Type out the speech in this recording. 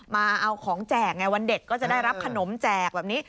มาเอาของแจกไงวันเด็กก็จะได้รับขนมแจกแบบนี้